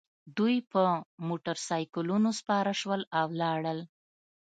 دوی په موټرسایکلونو سپاره شول او لاړل